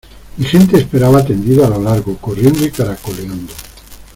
mi gente esperaba tendida a lo largo, corriendo y caracoleando.